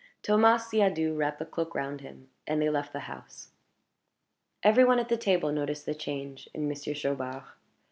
Thomas Siadoux wrapped the cloak round him, and they left the house. Every one at the table noticed the change in Monsieur Chaubard.